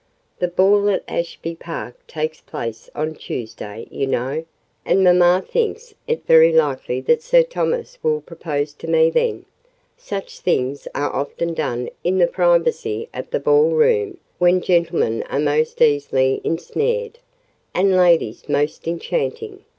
"The ball at Ashby Park takes place on Tuesday, you know; and mamma thinks it very likely that Sir Thomas will propose to me then: such things are often done in the privacy of the ball room, when gentlemen are most easily ensnared, and ladies most enchanting.